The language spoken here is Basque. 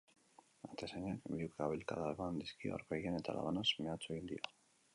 Atezainak bi ukabilkada eman dizkio aurpegian eta labanaz mehatxu egin dio.